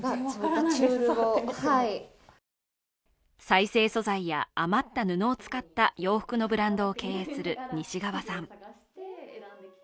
再生素材や余った布を使った洋服のブランドを経営する西側さん。